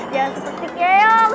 jangan seperti keong